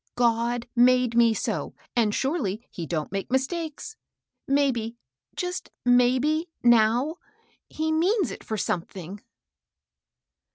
God made me so, and surely he don't make mistakes. Maybe — just maybe^ now, he means it for something."